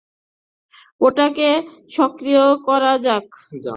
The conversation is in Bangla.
ওটাকে সক্রিয় করা যাক।